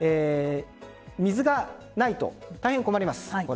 水がないと大変困ります。